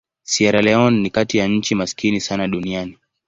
Sierra Leone ni kati ya nchi maskini sana duniani.